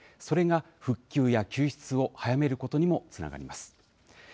それが、復旧や救出を早めることにもつながります。